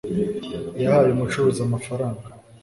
yahaye umucuruzi amafaranga